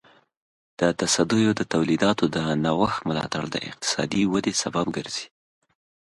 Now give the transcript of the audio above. د تصدیو د تولیداتو د نوښت ملاتړ د اقتصادي ودې سبب ګرځي.